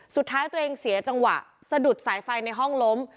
สุดท้ายตัวเองเสียจังหวะสะดุดสายไฟในห้องล้ม